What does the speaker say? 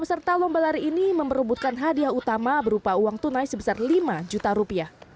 peserta lomba lari ini memperubutkan hadiah utama berupa uang tunai sebesar lima juta rupiah